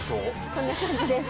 こんな感じです。